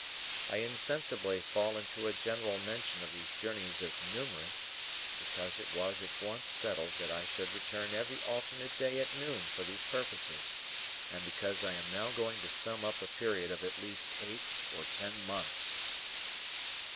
I insensibly fall into a general mention of these journeys as numerous, because it was at once settled that I should return every alternate day at noon for these purposes, and because I am now going to sum up a period of at least eight or ten months.